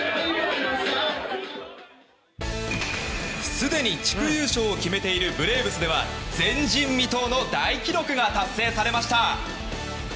すでに地区優勝を決めているブレーブスでは前人未到の大記録が達成されました。